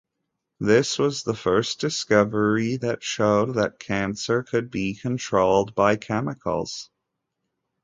This was the first discovery that showed that cancer could be controlled by chemicals.